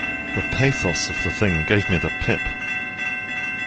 The pathos of the thing gave me the pip.